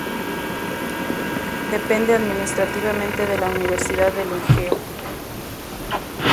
Depende administrativamente de la Universidad del Egeo.